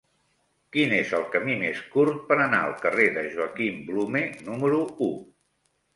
Quin és el camí més curt per anar al carrer de Joaquim Blume número u?